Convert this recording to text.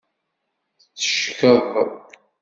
Teckeḍ.